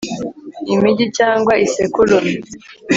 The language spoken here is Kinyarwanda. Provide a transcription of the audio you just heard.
Impigi cyangwa isekurume